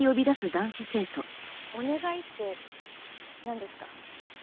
お願いって何ですか？